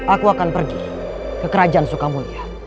aku akan pergi ke kerajaan sukamulya